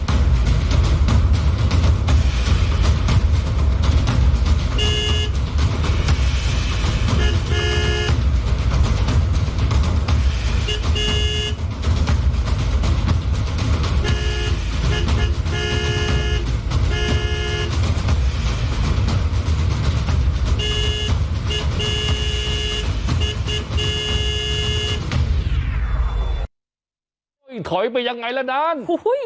โอ้ยถอยไปยังไงละดาน